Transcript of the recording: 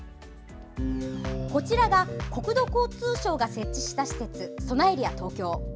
こちらが、国土交通省が設置した施設、そなエリア東京。